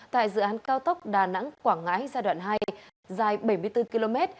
tại dự án cao tốc đà nẵng quảng ngãi giai đoạn hai dài bảy mươi bốn km